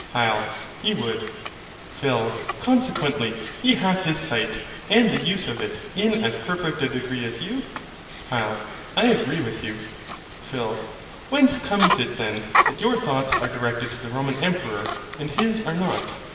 HYL. He would. PHIL. Consequently he hath his sight, and the use of it, in as perfect a degree as you? HYL. I agree with you. PHIL. Whence comes it then that your thoughts are directed to the Roman emperor, and his are not?